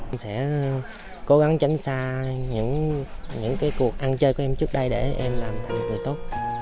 em sẽ cố gắng tránh xa những cái cuộc ăn chơi của em trước đây để em làm thành người tốt